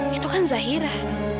loh itu kan zahira